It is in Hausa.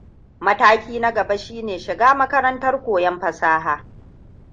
Mataki na gaba shi ne shiga makarantar koyon fasaha.